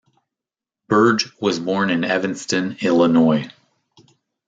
Burge was born in Evanston, Illinois.